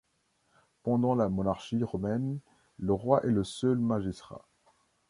Pendant la Monarchie romaine, le roi est le seul magistrat.